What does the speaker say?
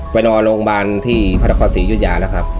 ไปนอนโรงพยาบาลที่พระนครศรียุธยาแล้วครับ